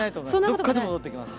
どこかで戻ってきます。